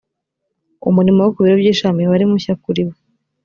umurimo wo ku biro by ‘ishami wari mushya kuri we.